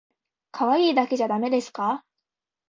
かわいいだけじゃだめですか？